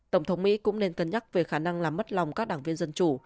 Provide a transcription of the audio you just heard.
tổng thống mỹ cũng nên cân nhắc về khả năng làm mất lòng các đảng viên dân chủ